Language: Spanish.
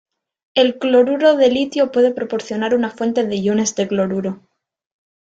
El cloruro de litio puede proporcionar una fuente de iones de cloruro.